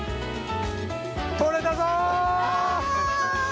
とれたぞ！